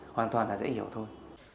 hoàn toàn là dễ hiểu thôi